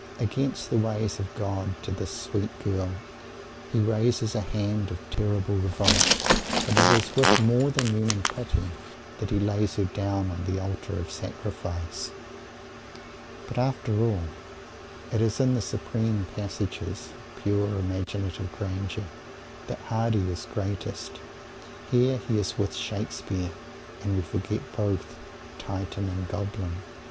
Against the ways of God to this sweet girl he raises a hand of terrible revolt, but it is with more than human "pity" that he lays her down on the Altar of Sacrifice. But, after all, it is in the supreme passages of pure imaginative grandeur that Mr. Hardy is greatest. Here he is "with Shakespeare" and we forget both Titan and Goblin.